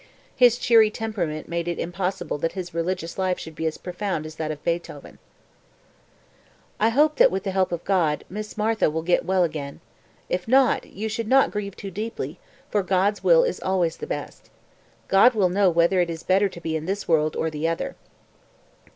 His cheery temperament made it impossible that his religious life should be as profound as that of Beethoven. 243. "I hope that with the help of God, Miss Martha will get well again. If not, you should not grieve too deeply, for God's will is always the best. God will know whether it is better to be in this world or the other."